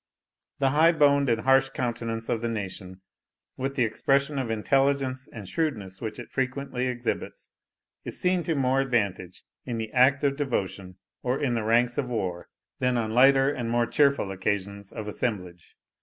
The high boned and harsh countenance of the nation, with the expression of intelligence and shrewdness which it frequently exhibits, is seen to more advantage in the act of devotion, or in the ranks of war, than on lighter and more cheerful occasions of assemblage.